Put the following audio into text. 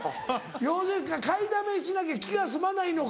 要するに買いだめしなきゃ気が済まないのか。